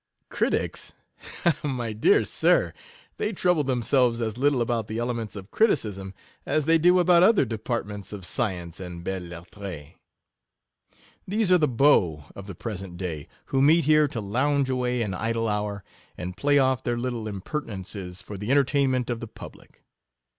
Critics! ha! ha! my dear sir, they trouble themselves as little about the elements of criticism, as they do about other departments of science and belles lettres. These are the beaux of the present day, who meet here to lounge away an idle hour, and play off their little impertinences for the entertainment of the public.